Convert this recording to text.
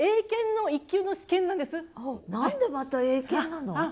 何でまた英検なの？